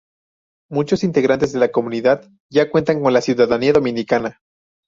Muchos integrantes de la comunidad ya cuentan con la ciudadanía dominicana.